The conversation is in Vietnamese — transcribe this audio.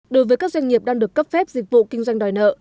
đối với các doanh nghiệp đang được cấp phép dịch vụ kinh doanh đòi nợ